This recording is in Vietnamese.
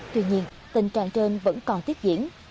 tuy nhiên tình trạng trên vẫn còn tiếp diễn